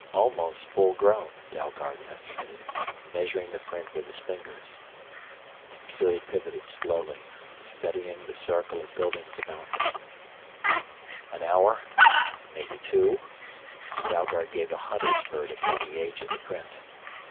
Almost full grown, Dalgard estimated, measuring the print with his fingers. Sssuri pivoted slowly, studying the circle of buildings about them. "An hour maybe two " Dalgard gave a hunter's verdict on the age of the print.